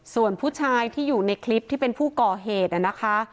ส่วนผู้ชายที่อยู่ในคลิปที่เป็นผู้ก่อเหตุนะคะ